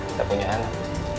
aku punya anak